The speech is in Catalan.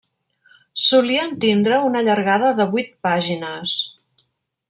Solien tindre una llargada de vuit pàgines.